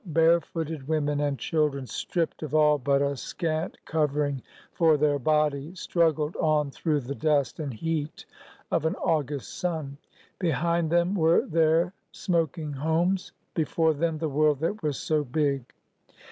Bare footed women and children, stripped of all but a scant covering for their bodies, struggled on through the dust and heat of an August sun. Behind them were their smoking homes ; before them, the world that was so big